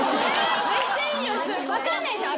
分かんないでしょ